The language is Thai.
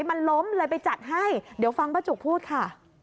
มันล้มเลยไปจัดให้เดี๋ยวฟังป้าจุกพูดค่ะ